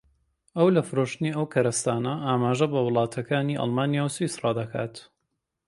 ئەو لە فرۆشتنی ئەو کەرستانە ئاماژە بە وڵاتەکانی ئەڵمانیا و سویسڕا دەکات